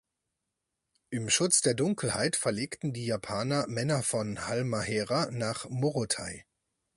Im Schutz der Dunkelheit verlegten die Japaner Männer von Halmahera nach Morotai.